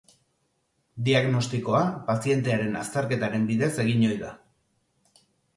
Diagnostikoa pazientearen azterketaren bidez egin ohi da.